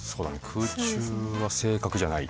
空中は正確じゃない。